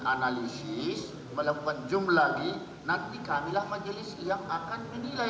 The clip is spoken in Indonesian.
analisis melakukan zoom lagi nanti kamilah majelis yang akan menilai